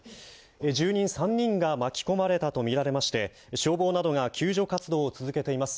住人３人が巻き込まれたと見られまして、消防などが救助活動を続けています。